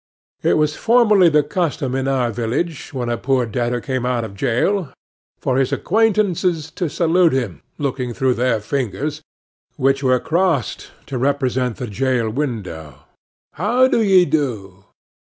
It was formerly the custom in our village, when a poor debtor came out of jail, for his acquaintances to salute him, looking through their fingers, which were crossed to represent the grating of a jail window, "How do ye do?"